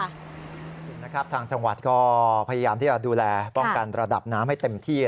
เห็นด้วยนะคะทางจังหวัดก็พยายามที่ว่าดูแลป้องกันระดับน้ำให้เต็มที่นะครับ